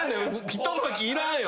１巻きいらんよ。